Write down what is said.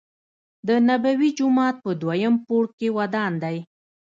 دنبوی جومات په دویم پوړ کې ودان دی.